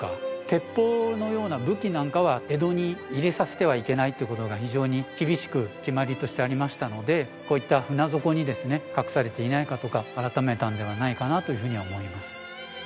鉄砲のような武器なんかは江戸に入れさせてはいけないって事が非常に厳しく決まりとしてありましたのでこういった船底にですね隠されていないかとか改めたんではないかなというふうに思います。